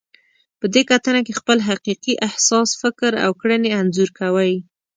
په دې کتنه کې خپل حقیقي احساس، فکر او کړنې انځور کوئ.